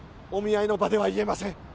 お見合いの場では言えません。